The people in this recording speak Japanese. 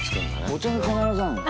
お茶が必ずある。